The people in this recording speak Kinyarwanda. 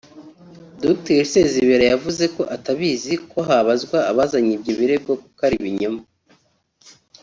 Dr Sezibera yavuze ko atabizi ko habazwa abazanye ibyo birego kuko ari ibinyoma